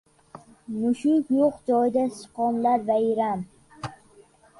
• Mushuk yo‘q joyda sichqonlarga bayram.